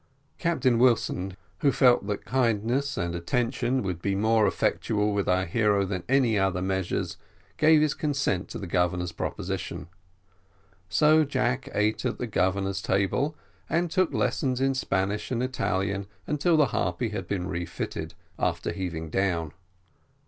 Captain Wilson, who felt that kindness and attention would be more effectual with our hero than any other measures, gave his consent to the Governor's proposition. So Jack ate at the Governor's table, and took lessons in Spanish and Italian until the Harpy had been refitted, after heaving down.